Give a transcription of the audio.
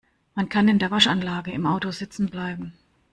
Man kann in der Waschanlage im Auto sitzen bleiben.